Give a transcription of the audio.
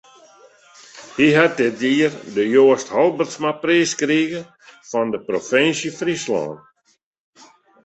Hy hat dit jier de Joast Halbertsmapriis krige fan de Provinsje Fryslân.